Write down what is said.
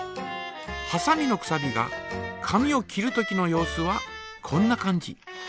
はさみのくさびが紙を切るときの様子はこんな感じ。